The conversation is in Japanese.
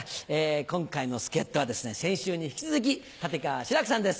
今回の助っ人は先週に引き続き立川志らくさんです。